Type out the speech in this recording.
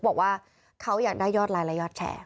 บอกว่าเขาอยากได้ยอดไลนและยอดแชร์